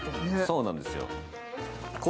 そうなんですよ。